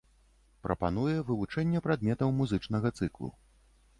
Прапануе вывучэнне прадметаў музычнага цыклу.